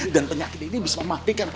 dan penyakit ini bisa mematikan pak